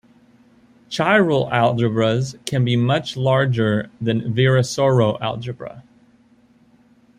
Chiral algebras can be much larger than the Virasoro algebra.